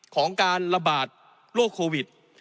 ของการระบาดโรคโควิด